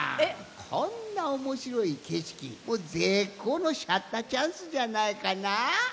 こんなおもしろいけしきぜっこうのシャッターチャンスじゃないかな？